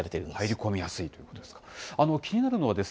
入り込みやすいということですか。